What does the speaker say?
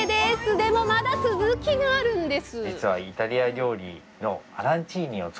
でもまだ続きがあるんです！